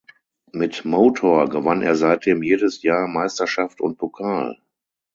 Mit Motor gewann er seitdem jedes Jahr Meisterschaft und Pokal.